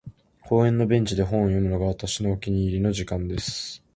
•公園のベンチで本を読むのが、私のお気に入りの時間です。